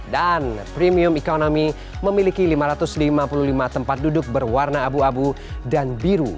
dan premium economy memiliki lima ratus lima puluh lima tempat duduk berwarna abu abu dan biru